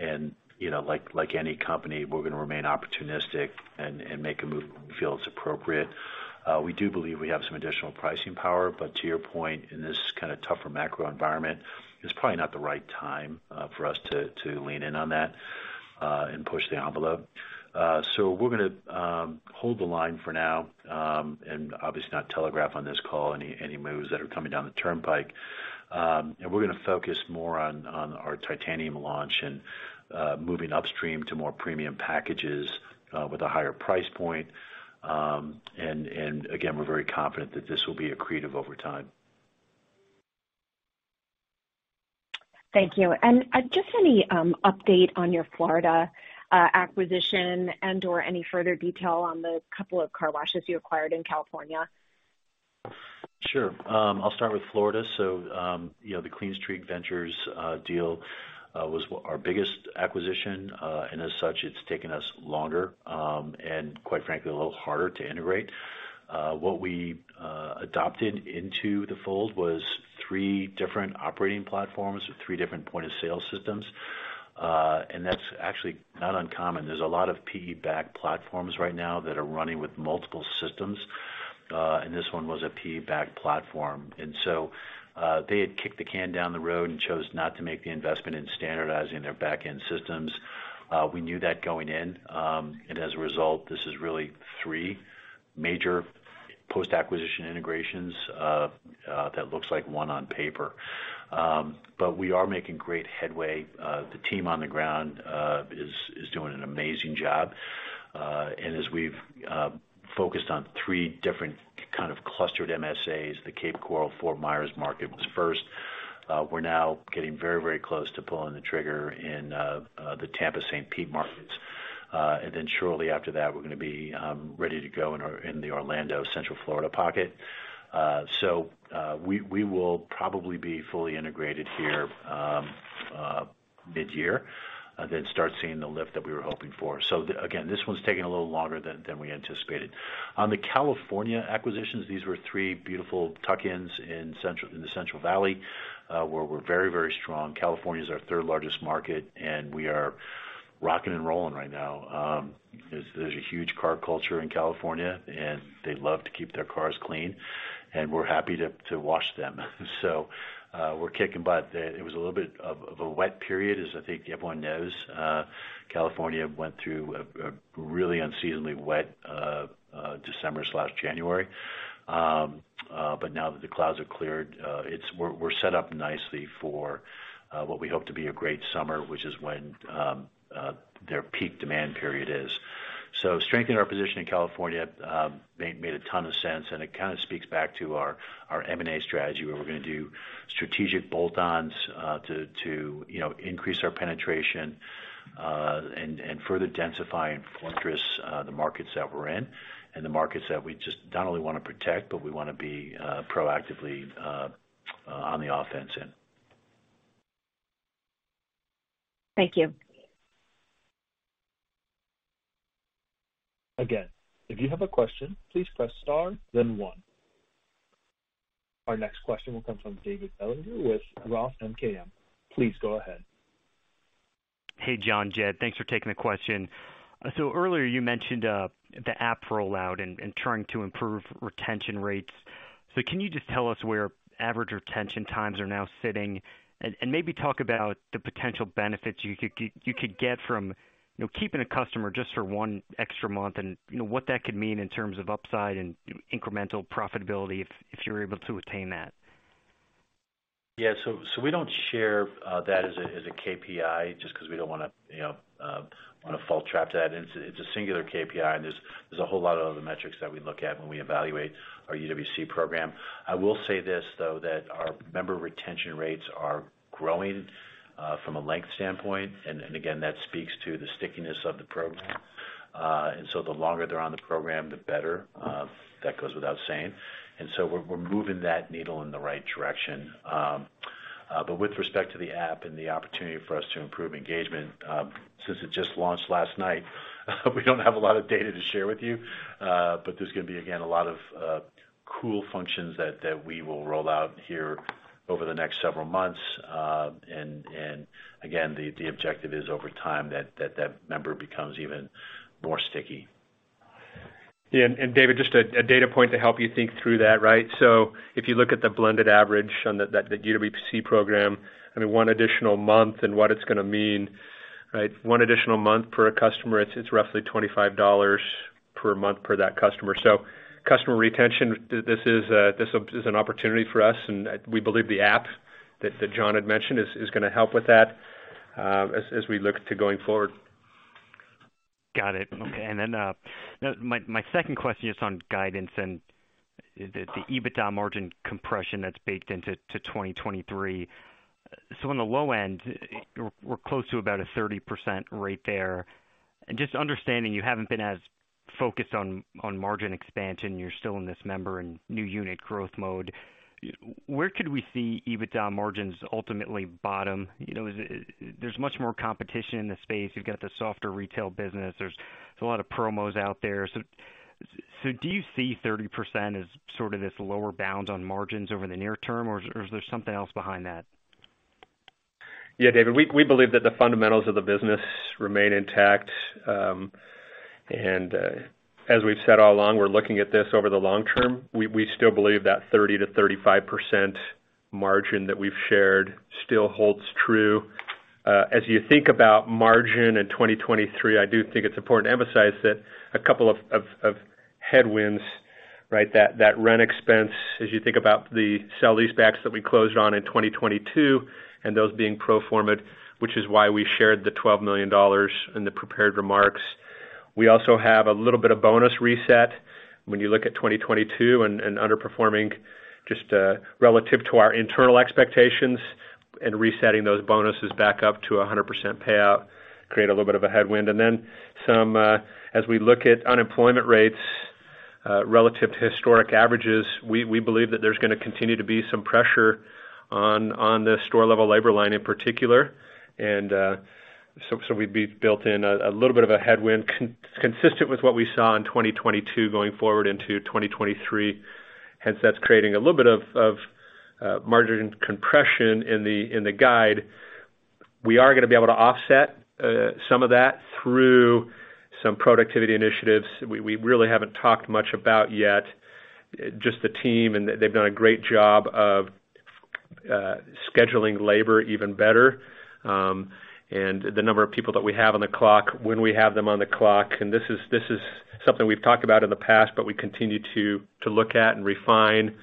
and, you know, like any company, we're gonna remain opportunistic and make a move if we feel it's appropriate. To your point, in this kind of tougher macro environment, it's probably not the right time for us to lean in on that and push the envelope. We're gonna hold the line for now, and obviously not telegraph on this call any moves that are coming down the turnpike. We're gonna focus more on our Titanium launch and moving upstream to more premium packages with a higher price point. Again, we're very confident that this will be accretive over time. Thank you. Just any update on your Florida acquisition and/or any further detail on the couple of car washes you acquired in California? Sure. I'll start with Florida. You know, the Clean Streak Ventures deal was our biggest acquisition. As such, it's taken us longer, and quite frankly, a little harder to integrate. What we adopted into the fold was three different operating platforms with three different point-of-sale systems. That's actually not uncommon. There's a lot of PE-backed platforms right now that are running with multiple systems, and this one was a PE-backed platform. They had kicked the can down the road and chose not to make the investment in standardizing their back-end systems. We knew that going in, as a result, this is really three major post-acquisition integrations that looks like one on paper. We are making great headway. The team on the ground is doing an amazing job. As we've focused on 3 different kind of clustered MSAs, the Cape Coral-Fort Myers market was first. We're now getting very, very close to pulling the trigger in the Tampa-St. Pete markets. Shortly after that, we're gonna be ready to go in the Orlando Central Florida pocket. We will probably be fully integrated here mid-year, then start seeing the lift that we were hoping for. Again, this one's taking a little longer than we anticipated. On the California acquisitions, these were 3 beautiful tuck-ins in the Central Valley, where we're very, very strong. California is our third largest market, and we are rocking and rolling right now. There's a huge car culture in California, and they love to keep their cars clean, and we're happy to wash them. We're kicking butt. It was a little bit of a wet period, as I think everyone knows. California went through a really unseasonably wet Decembers last January. Now that the clouds have cleared, we're set up nicely for what we hope to be a great summer, which is when their peak demand period is. Strengthening our position in California, made a ton of sense, and it kind of speaks back to our M&A strategy, where we're gonna do strategic bolt-ons, to, you know, increase our penetration, and further densify and fortress the markets that we're in and the markets that we just not only wanna protect, but we wanna be proactively on the offense in. Thank you. Again, if you have a question, please press star then one. Our next question will come from David Bellinger with Roth MKM. Please go ahead. Hey, John, Jed, thanks for taking the question. Earlier you mentioned the app rollout and trying to improve retention rates. Can you just tell us where average retention times are now sitting? Maybe talk about the potential benefits you could get from, you know, keeping a customer just for one extra month and, you know, what that could mean in terms of upside and incremental profitability if you're able to attain that? Yeah. We don't share that as a KPI just 'cause we don't wanna, you know, wanna fall trap to that. It's a singular KPI, and there's a whole lot of other metrics that we look at when we evaluate our UWC program. I will say this, though, that our member retention rates are growing from a length standpoint. Again, that speaks to the stickiness of the program. The longer they're on the program, the better. That goes without saying. We're moving that needle in the right direction. But with respect to the app and the opportunity for us to improve engagement, since it just launched last night, we don't have a lot of data to share with you. There's gonna be, again, a lot of cool functions that we will roll out here over the next several months. Again, the objective is over time that member becomes even more sticky. Yeah. David, just a data point to help you think through that, right? If you look at the blended average on the UWC program, I mean, one additional month and what it's gonna mean, right? One additional month per customer, it's roughly $25 per month per that customer. Customer retention, this is an opportunity for us, and we believe the app that John had mentioned is gonna help with that as we look to going forward. Got it. Okay. Now my second question is on guidance and the EBITDA margin compression that's baked into 2023. On the low end, we're close to about a 30% rate there. Just understanding you haven't been as focused on margin expansion, you're still in this member and new unit growth mode. Where could we see EBITDA margins ultimately bottom? You know, there's much more competition in the space. You've got the softer retail business. There's a lot of promos out there. So do you see 30% as sort of this lower bound on margins over the near term, or is there something else behind that? David. We believe that the fundamentals of the business remain intact. As we've said all along, we're looking at this over the long term. We still believe that 30%-35% margin that we've shared still holds true. As you think about margin in 2023, I do think it's important to emphasize that a couple of headwinds, right? That rent expense as you think about the sale-leasebacks that we closed on in 2022 and those being pro forma, which is why we shared the $12 million in the prepared remarks. We also have a little bit of bonus reset when you look at 2022 and underperforming just relative to our internal expectations and resetting those bonuses back up to 100% payout create a little bit of a headwind. As we look at unemployment rates, relative to historic averages, we believe that there's gonna continue to be some pressure on the store-level labor line in particular. So we've built in a little bit of a headwind consistent with what we saw in 2022 going forward into 2023. That's creating a little bit of margin compression in the guide. We are gonna be able to offset some of that through some productivity initiatives we really haven't talked much about yet. Just the team, they've done a great job of scheduling labor even better, and the number of people that we have on the clock when we have them on the clock. This is something we've talked about in the past, but we continue to look at and refine,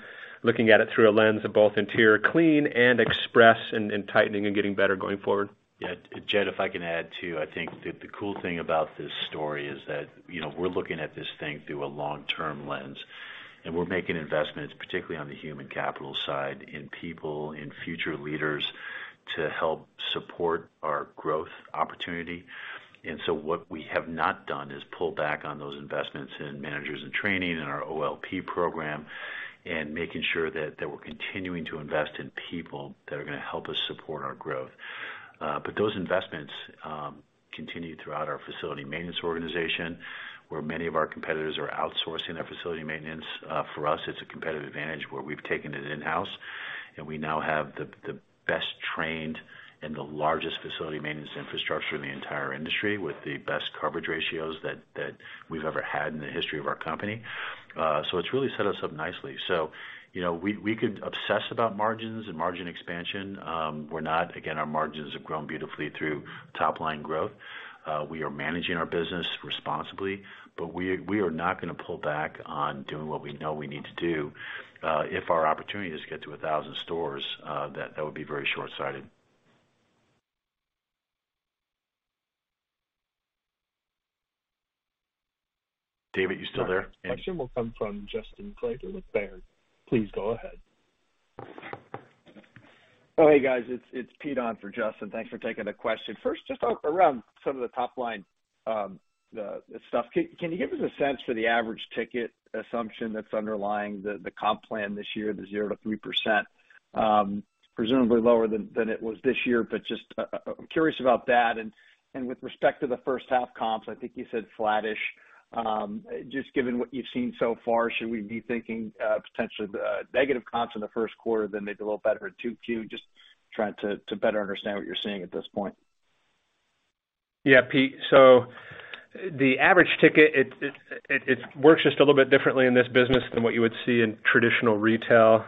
looking at it through a lens of both Interior Clean and Express and tightening and getting better going forward. Jed, if I can add, too. I think the cool thing about this story is that, you know, we're looking at this thing through a long-term lens, and we're making investments, particularly on the human capital side, in people, in future leaders to help support our growth opportunity. What we have not done is pull back on those investments in managers in training and our OLP program and making sure that we're continuing to invest in people that are gonna help us support our growth. But those investments continue throughout our facility maintenance organization, where many of our competitors are outsourcing their facility maintenance. For us, it's a competitive advantage where we've taken it in-house, and we now have the best trained and the largest facility maintenance infrastructure in the entire industry with the best coverage ratios that we've ever had in the history of our company. We're not. Again, our margins have grown beautifully through top-line growth. We are managing our business responsibly, but we are not gonna pull back on doing what we know we need to do. If our opportunity is to get to 1,000 stores, that would be very shortsighted. David, you still there? Question will come from Justin Kleber with Baird. Please go ahead. Hey, guys. It's Pete on for Justin. Thanks for taking the question. Just around some of the top line stuff. Can you give us a sense for the average ticket assumption that's underlying the comp plan this year, the 0%-3%? Presumably lower than it was this year, just curious about that. With respect to the first half comps, I think you said flattish. Just given what you've seen so far, should we be thinking potentially the negative comps in the first quarter, maybe a little better in 2Q? Just trying to better understand what you're seeing at this point. Yeah, Pete. The average ticket works just a little bit differently in this business than what you would see in traditional retail.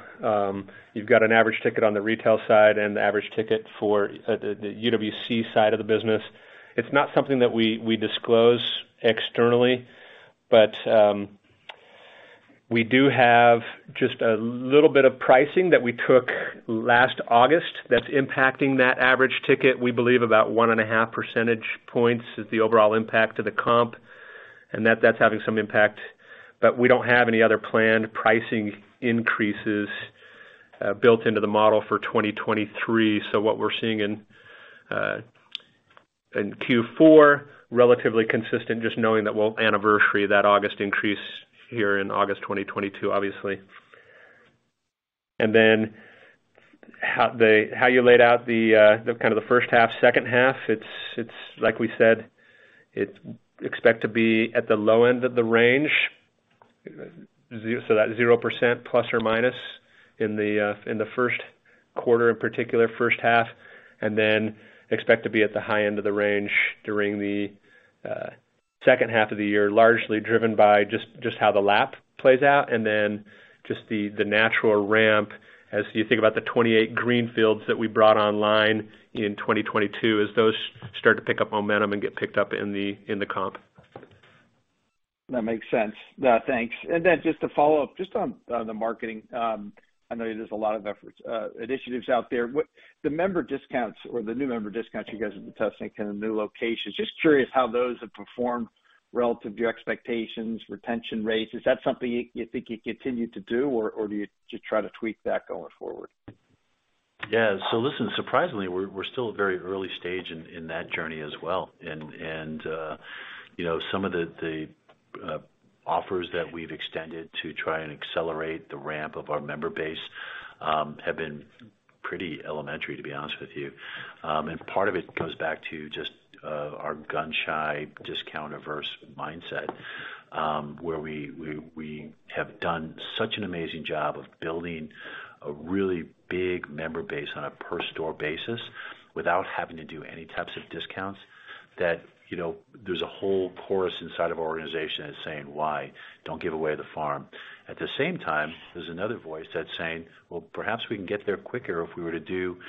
You've got an average ticket on the retail side and the average ticket for the UWC side of the business. It's not something that we disclose externally, but we do have just a little bit of pricing that we took last August that's impacting that average ticket. We believe about 1.5 percentage points is the overall impact to the comp, and that's having some impact. We don't have any other planned pricing increases built into the model for 2023. What we're seeing in Q4, relatively consistent, just knowing that we'll anniversary that August increase here in August 2022, obviously. How you laid out the kind of the first half, second half, like we said, expect to be at the low end of the range. That 0%± in the first quarter, in particular, first half, and then expect to be at the high end of the range during the second half of the year, largely driven by how the lap plays out and the natural ramp as you think about the 28 greenfields that we brought online in 2022, as those start to pick up momentum and get picked up in the comp. That makes sense. Thanks. Just to follow up on the marketing, I know there's a lot of efforts, initiatives out there. The member discounts or the new member discounts you guys have been testing in the new locations, just curious how those have performed relative to your expectations, retention rates. Is that something you think you continue to do, or do you just try to tweak that going forward? Listen, surprisingly, we're still very early stage in that journey as well. You know, some of the offers that we've extended to try and accelerate the ramp of our member base, have been pretty elementary, to be honest with you. Part of it goes back to just our gun-shy, discount-averse mindset, where we have done such an amazing job of building a really big member base on a per store basis without having to do any types of discounts that, you know, there's a whole chorus inside of our organization that's saying, "Why? Don't give away the farm." At the same time, there's another voice that's saying, "Well, perhaps we can get there quicker if we were to do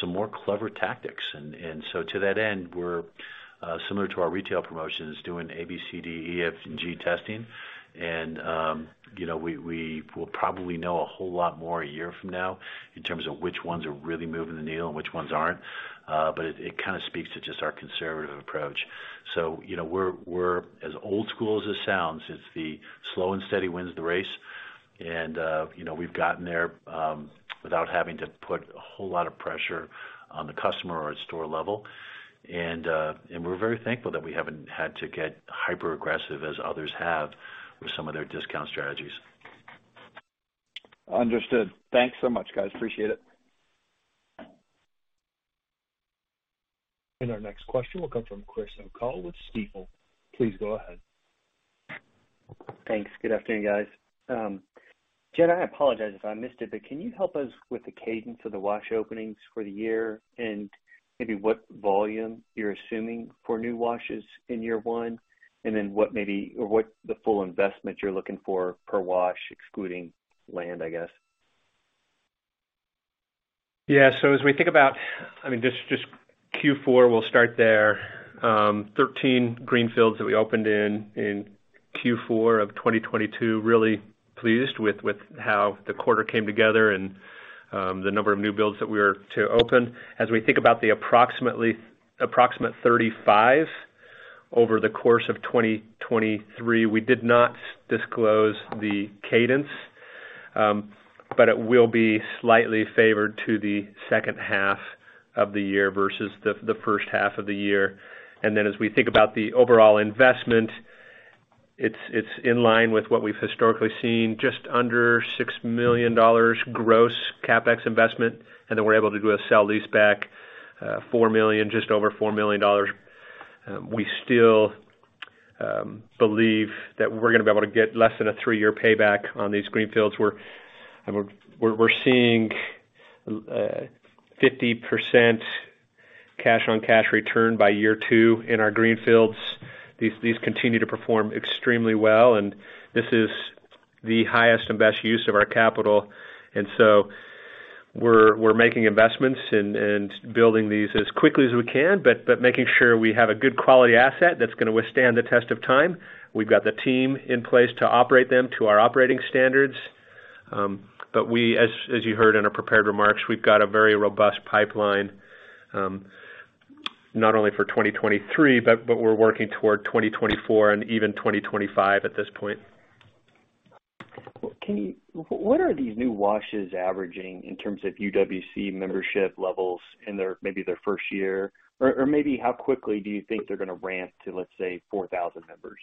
some more clever tactics. To that end, we're similar to our retail promotions, doing ABCDEFG testing. You know, we will probably know a whole lot more a year from now in terms of which ones are really moving the needle and which ones aren't. It kind of speaks to just our conservative approach. You know, we're as old-school as this sounds, it's the slow and steady wins the race. You know, we've gotten there without having to put a whole lot of pressure on the customer or at store level. We're very thankful that we haven't had to get hyper-aggressive as others have with some of their discount strategies. Understood. Thanks so much, guys. Appreciate it. Our next question will come from Chris O'Cull with Stifel. Please go ahead. Thanks. Good afternoon, guys. Jed, I apologize if I missed it, but can you help us with the cadence of the wash openings for the year and maybe what volume you're assuming for new washes in year one? What the full investment you're looking for per wash, excluding land, I guess? As we think about, I mean, just Q4, we'll start there. 13 greenfields that we opened in Q4 of 2022. Really pleased with how the quarter came together and the number of new builds that we were to open. As we think about the approximate 35 over the course of 2023, we did not disclose the cadence, but it will be slightly favored to the second half of the year versus the first half of the year. As we think about the overall investment, it's in line with what we've historically seen, just under $6 million gross CapEx investment, and then we're able to do a sale-leaseback, $4 million, just over $4 million. We still believe that we're gonna be able to get less than a three-year payback on these greenfields. We're seeing 50% cash-on-cash return by year two in our greenfields. These continue to perform extremely well, this is the highest and best use of our capital. We're making investments and building these as quickly as we can, but making sure we have a good quality asset that's gonna withstand the test of time. We've got the team in place to operate them to our operating standards. We, as you heard in our prepared remarks, we've got a very robust pipeline, not only for 2023, but we're working toward 2024 and even 2025 at this point. What are these new washes averaging in terms of UWC membership levels in their maybe their first year? Or maybe how quickly do you think they're gonna ramp to, let's say, 4,000 members?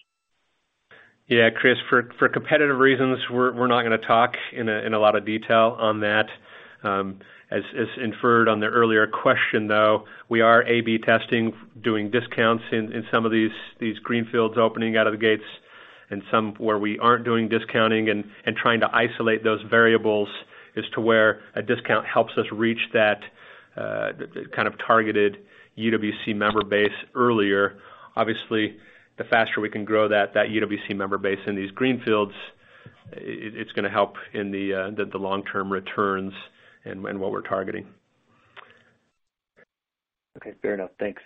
Yeah, Chris, for competitive reasons, we're not gonna talk in a lot of detail on that. As inferred on the earlier question, though, we are A/B testing, doing discounts in some of these greenfields opening out of the gates and some where we aren't doing discounting and trying to isolate those variables as to where a discount helps us reach that kind of targeted UWC member base earlier. Obviously, the faster we can grow that UWC member base in these greenfields, it's gonna help in the long-term returns and what we're targeting. Okay, fair enough. Thanks.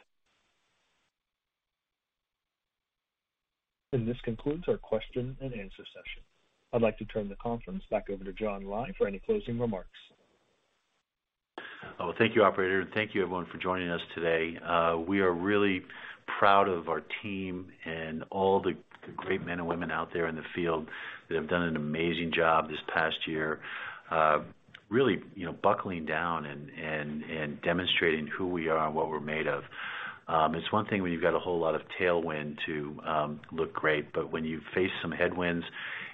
This concludes our question-and-answer session. I'd like to turn the conference back over to John Lai for any closing remarks. Thank you, operator, thank you everyone for joining us today. We are really proud of our team and all the great men and women out there in the field that have done an amazing job this past year, really, you know, buckling down and demonstrating who we are and what we're made of. It's one thing when you've got a whole lot of tailwind to look great, when you face some headwinds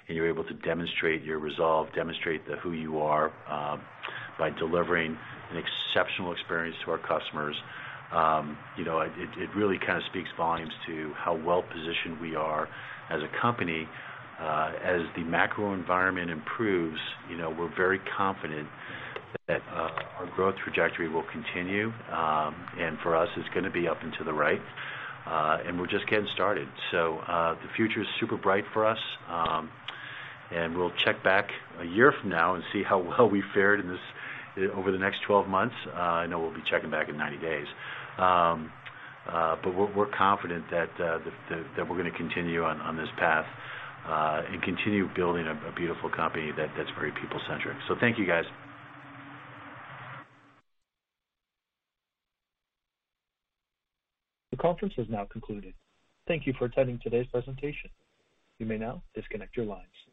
and you're able to demonstrate your resolve, demonstrate the who you are, by delivering an exceptional experience to our customers, you know, it really kind of speaks volumes to how well-positioned we are as a company. As the macro environment improves, you know, we're very confident that our growth trajectory will continue. For us, it's gonna be up and to the right. We're just getting started. The future's super bright for us. We'll check back a year from now and see how well we fared in this over the next 12 months. I know we'll be checking back in 90 days. We're confident that we're gonna continue on this path and continue building a beautiful company that's very people-centric. Thank you, guys. The conference has now concluded. Thank you for attending today's presentation. You may now disconnect your lines.